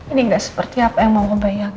ini gak seperti apa yang mama bayangin